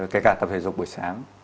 kể cả tập thể dục buổi sáng